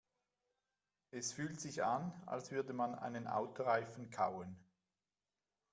Es fühlt sich an, als würde man einen Autoreifen kauen.